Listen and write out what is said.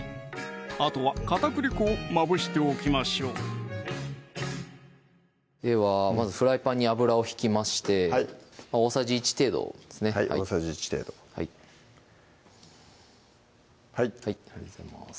あとは片栗粉をまぶしておきましょうではまずフライパンに油を引きまして大さじ１程度ですねはい大さじ１程度はいはいありがとうございます